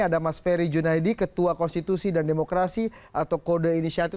ada mas ferry junaidi ketua konstitusi dan demokrasi atau kode inisiatif